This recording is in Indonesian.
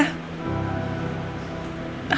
percaya ya sama aku ya